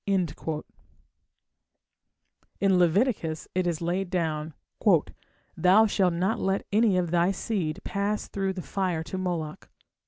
In Leviticus it is laid down: "Thou shalt not let any of thy seed pass through the fire to Moloch".